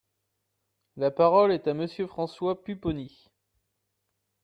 La parole est à Monsieur François Pupponi.